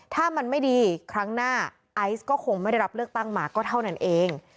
ถ้ามันไม่ดีครั้งหน้าไอซ์ก็คงไม่ได้รับเลือกตั้งมาก็เท่านั้นเอง